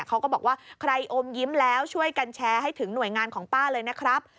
เขาก็บอกว่าใครอมยิ้มแล้วช่วยกันแชร์ให้ถึงหน่วยงานของป้าเลยนะครับ